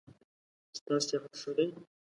ستا صحت ښه دی؟